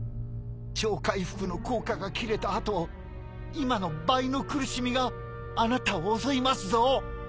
超回復の効果が切れた後今の倍の苦しみがあなたを襲いますぞ。